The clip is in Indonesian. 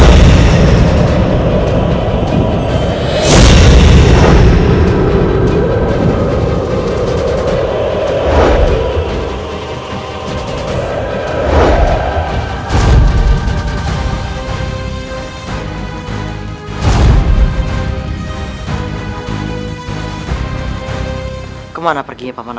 kau mau kemana paman keluarga dana